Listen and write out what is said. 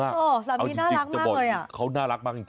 สามีอีกดีมากเลยเยอะจริงจริงนะ